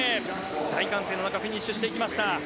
大歓声の中フィニッシュしていきました。